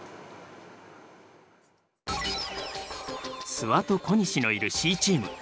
諏訪と小西のいるＣチーム。